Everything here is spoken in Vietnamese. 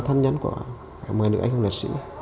cho thân nhân của một mươi người anh hùng liệt sĩ